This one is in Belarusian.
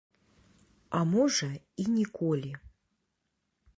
А можа, і ніколі.